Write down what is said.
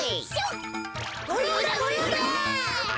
ごようだごようだ！